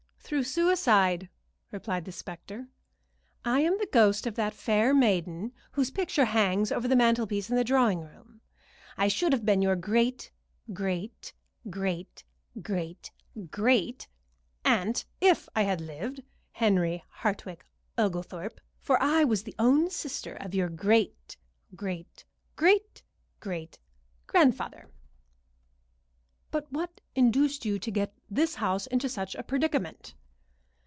"Through a suicide," replied the specter. "I am the ghost of that fair maiden whose picture hangs over the mantelpiece in the drawing room. I should have been your great great great great great aunt if I had lived, Henry Hartwick Oglethorpe, for I was the own sister of your great great great great grandfather." "But what induced you to get this house into such a predicament?"